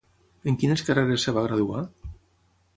En quines carreres es va graduar?